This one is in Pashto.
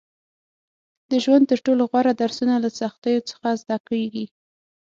• د ژوند تر ټولو غوره درسونه له سختیو څخه زده کېږي.